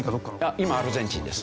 今アルゼンチンです。